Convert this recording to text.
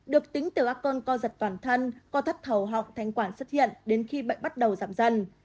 được tính từ các con co giật toàn thân co thất thầu hoặc thanh quản xuất hiện đến khi bệnh bắt đầu giảm dần